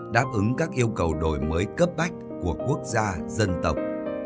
đáp ứng các yêu cầu đổi mới cấp bách của quốc gia dân tộc